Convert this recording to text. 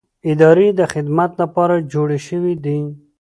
ادارې د خدمت لپاره جوړې شوې دي